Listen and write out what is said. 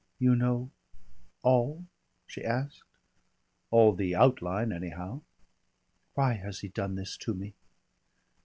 "You know all?" she asked. "All the outline, anyhow." "Why has he done this to me?"